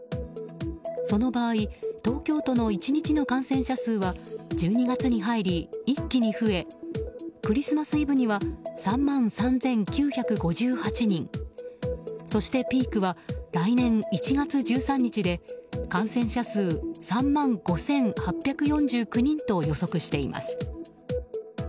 その場合東京都の１日の感染者数は１２月に入り一気に増えクリスマスイブには３万３９５８人そしてピークは来年１月１３日で感染者数３万５８４９人と予測しています。